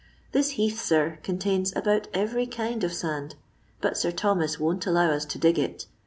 This heath, sir, contiuns aboat every kind of sand, but Sir Thomas won't allow us to dig it.